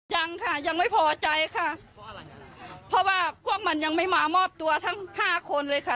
ยังค่ะยังไม่พอใจค่ะเพราะว่าพวกมันยังไม่มามอบตัวทั้งห้าคนเลยค่ะ